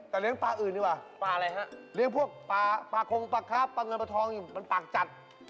แต่เลี้ยงปลาอื่นดีกว่าปลาอะไรฮะเลี้ยงพวกปลาปลาคงปลาครับปลาเงินปลาทองมันปากจัด